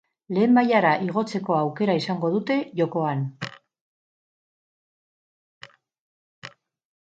Lehen mailara igotzeko aukera izango dute jokoan.